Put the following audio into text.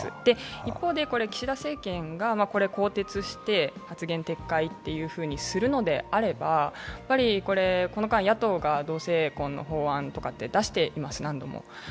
一方で、岸田政権が更迭して発言撤回とするのであれば、この間、野党が同性婚の法案を何度も出しています。